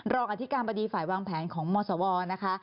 รองอธิการประดีฝ่ายวางแผนของหมอสวนะคะ